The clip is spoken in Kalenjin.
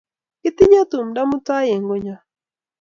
Kitinye tumndo mutai eng' konyon